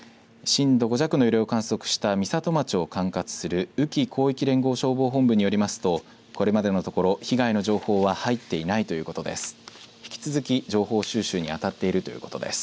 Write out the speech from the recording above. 震度５弱の揺れを観測した美里町を管轄する宇城広域連合消防本部によりますとこれまでのところ被害の情報は入っていないということです。